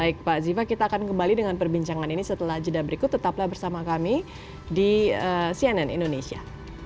baik pak ziva kita akan kembali dengan perbincangan ini setelah jeda berikut tetaplah bersama kami di cnn indonesia